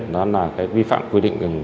đó là vi phạm quy định